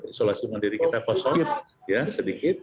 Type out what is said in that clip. isolasi mandiri kita positif ya sedikit